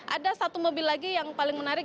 ada satu mobil lagi yang paling menarik